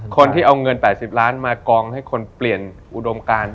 คนที่เอาเงิน๘๐ล้านมากองให้คนเปลี่ยนอุดมการ